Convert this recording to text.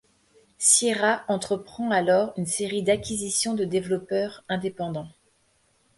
Sierra entreprend alors une série d’acquisitions de développeurs indépendants.